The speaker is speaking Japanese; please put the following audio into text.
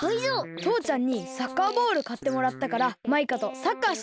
とうちゃんにサッカーボールかってもらったからマイカとサッカーしてたんだ。